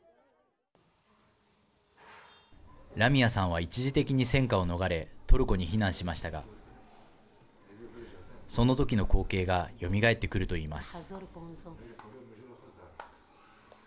ラミアさんは一時的に戦火を逃れトルコに避難しましたがそのときの光景がよみがえってくると言います。